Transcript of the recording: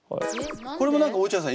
これも何か落合さん